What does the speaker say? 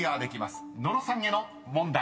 ［野呂さんへの問題］